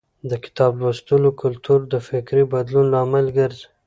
د کتاب لوستلو کلتور د فکري بدلون لامل ګرځي.